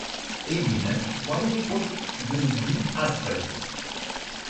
Ei bine, oamenii pot gând astfel.